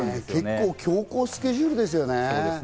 結構、強行スケジュールですね。